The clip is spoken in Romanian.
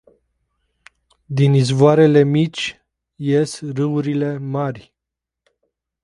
Din izvoarele mici ies râurile mari.